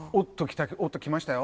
おっときましたよ。